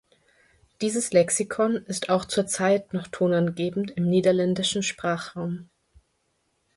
Dieses Lexikon ist auch zur Zeit noch tonangebend im niederländischen Sprachraum.